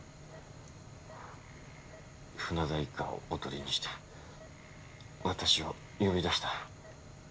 船田一家をおとりにして私を呼び出した。